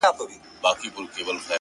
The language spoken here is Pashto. گوره په ما باندي ده څومره خپه _